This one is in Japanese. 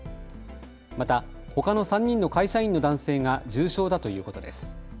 またほかの３人の会社員の男性が重傷だということです。